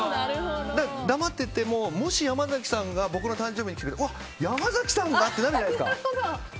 黙っていても、もし山崎さんが僕の誕生日に来てくれたら山崎さんじゃん！ってなるじゃないですか。